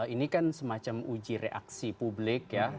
ini kan semacam uji reaksi publik ya